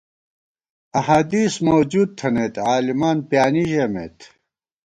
احادیث موجود تھنَئیت عالِمان پیانی ژَمېت